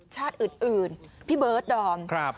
ชาติอื่นพี่เบิร์ดดอม